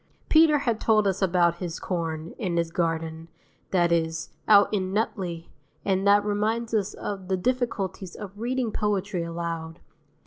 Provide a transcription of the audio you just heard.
Peter had told us about his corn, in his garden, that is, out in Nutley (and that reminds us of the difficulties of reading poetry aloud.